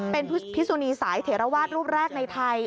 เป็นพิสุนีสายเถระวาสรูปแรกในไทย